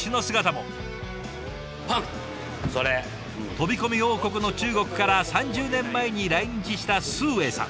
飛び込み王国の中国から３０年前に来日した崇英さん。